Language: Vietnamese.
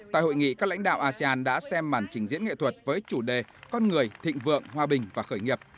tại hội nghị các lãnh đạo asean đã xem màn trình diễn nghệ thuật với chủ đề con người thịnh vượng hòa bình và khởi nghiệp